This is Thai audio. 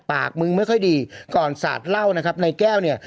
ปากมึงไม่ค่อยดีก่อนสาดเหล้านะครับในแก้วเนี่ย